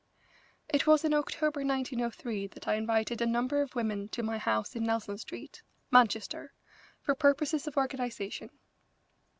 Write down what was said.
It was in October, 1903, that I invited a number of women to my house in Nelson street, Manchester, for purposes of organisation.